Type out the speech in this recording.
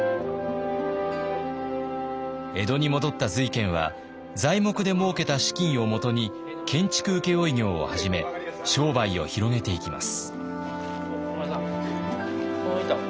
江戸に戻った瑞賢は材木でもうけた資金をもとに建築請負業を始め商売を広げていきます。